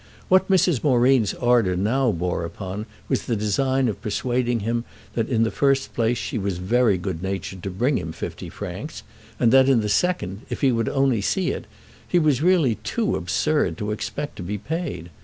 What Mrs. Moreen's ardour now bore upon was the design of persuading him that in the first place she was very good natured to bring him fifty francs, and that in the second, if he would only see it, he was really too absurd to expect to be paid.